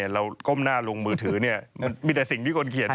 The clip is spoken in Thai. ก้มหน้าลงมือถือมันมีแต่สิ่งที่คนเขียน